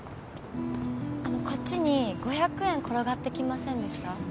あのこっちに五百円転がってきませんでした？